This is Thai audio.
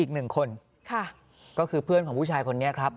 อีกหนึ่งคนค่ะก็คือเพื่อนของผู้ชายคนนี้ครับ